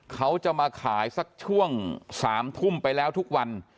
เขาจะมาขายสักช่วง๓ทุ่มไปแล้วทุกวัน